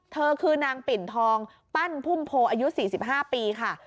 เธอคือนางปิ่นทองปั้นพุ่มโพอายุ๔๕ปีค่ะ